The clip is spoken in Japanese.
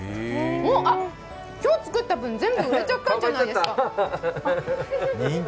今日作った分、全部売れちゃったんじゃないですか！